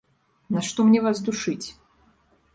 Нашто мне вас душыць?